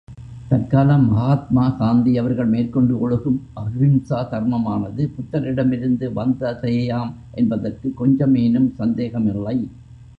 தற்காலம் மஹாத்மா காந்தி அவர்கள் மேற்பூண்டு ஒழுகும் அஹிம்சா தர்மமானது, புத்தரிடமிருந்து வந்ததேயாம் என்பதற்கு கொஞ்சமேனும் சந்தேகமில்லை.